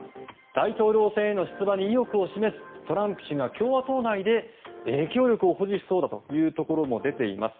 大統領選への出馬に意欲を示すトランプ氏が共和党内で影響力を保持しそうだというところも出ています。